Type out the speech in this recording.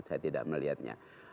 saya tidak melihatnya